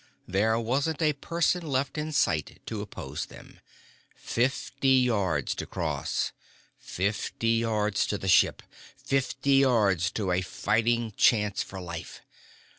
There wasn't a person left in sight to oppose them. Fifty yards to cross. Fifty yards to the ship! Fifty yards to a fighting chance for life!